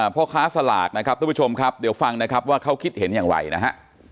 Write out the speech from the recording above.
พ่อค้าสลากนะครับทุกผู้ชมครับเดี๋ยวฟังนะครับว่าเขาคิดเห็นอย่างไรนะฮะ